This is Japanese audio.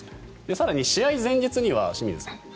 更に試合前日には清水さん